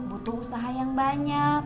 butuh usaha yang banyak